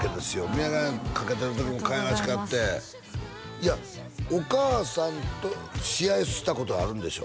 眼鏡かけてる時もかわいらしかっていやお母さんと試合したことあるんでしょ？